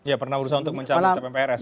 ya pernah berusaha untuk mencapai pprs ya